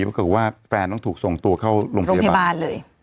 ปรากฏว่าแฟนต้องถูกส่งตัวเข้าโรงพยาบาลเลย